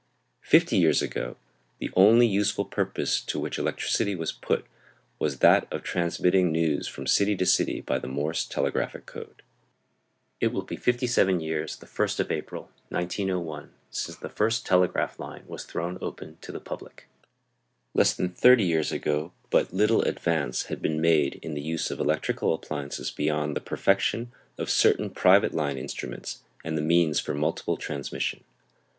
Fifty years ago the only useful purpose to which electricity was put was that of transmitting news from city to city by the Morse telegraphic code. It will be fifty seven years the first of April, 1901, since the first telegraph line was thrown open to the public. Less than thirty years ago but little advance had been made in the use of electrical appliances beyond the perfection of certain private line instruments, and a means for multiple transmission.